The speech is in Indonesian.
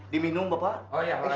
diminum bapak oh ya